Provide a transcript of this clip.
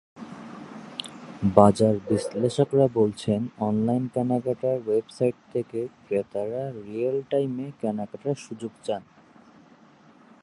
বাজার বিশ্লেষকেরা বলছেন, অনলাইন কেনাকাটার ওয়েবসাইট থেকে ক্রেতারা রিয়েল টাইমে কেনাকাটার সুযোগ চান।